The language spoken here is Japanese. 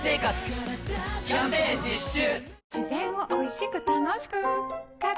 キャンペーン実施中！